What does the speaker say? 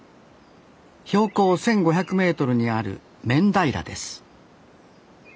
標高１，５００メートルにある面平です